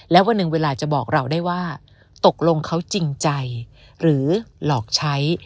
และวันหนึ่งเวลาจะบอกเราได้ว่าตกลงเขาจริงใจหรือหลอกใช้